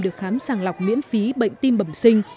được khám sàng lọc miễn phí bệnh tim bẩm sinh